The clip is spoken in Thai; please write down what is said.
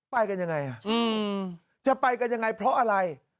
ไปกันยังไงจะไปกันยังไงเพราะอะไร